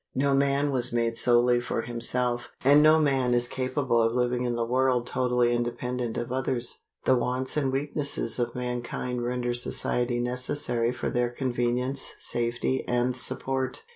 No man was made solely for himself, and no man is capable of living in the world totally independent of others. The wants and weaknesses of mankind render society necessary for their convenience, safety, and support.